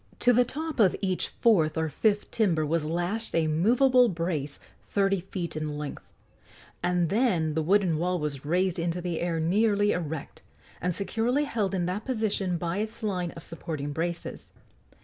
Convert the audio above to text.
To the top of each fourth or fifth timber was lashed a movable brace thirty feet in length, and then the wooden wall was raised into the air nearly erect, and securely held in that position by its line of supporting braces.